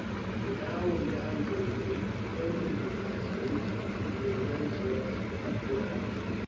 He now went down to the gate, undid the fastening, and then led his horse up to the house.